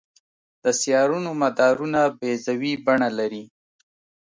د سیارونو مدارونه بیضوي بڼه لري.